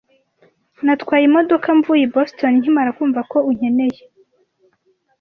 Natwaye imodoka mvuye i Boston nkimara kumva ko unkeneye.